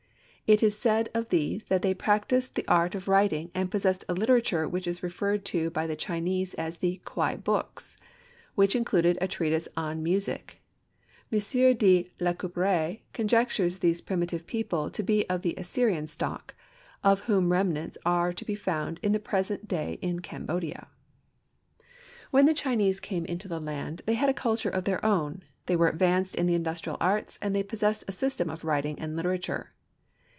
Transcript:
It is said of these that they practiced the art of writing and possessed a literature which is referred to by the Chinese as the "Kwei Books," which included a treatise on music. M. de Lacouperie conjectures these primitive people to be of the Aryan stock, of whom remnants are to be found at the present day in Cambodia. When the Chinese came into the land they had a culture of their own. They were advanced in the industrial arts and they possessed a system of writing and a literature.